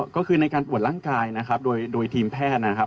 ก็คือในการตรวจร่างกายนะครับโดยทีมแพทย์นะครับ